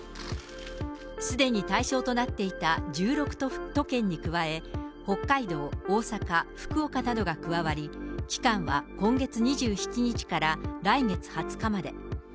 すでに対象となっていた１６都県に加え、北海道、大阪、福岡などが加わり、期間は今月２７日から来月２０日まで。